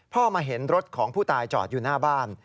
มาเห็นรถของผู้ตายจอดอยู่หน้าบ้าน